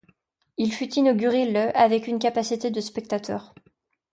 Il fut inauguré le avec une capacité de spectateurs.